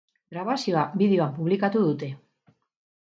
Grabazioa bideoan publikatu dute.